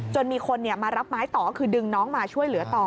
มีคนมารับไม้ต่อก็คือดึงน้องมาช่วยเหลือต่อ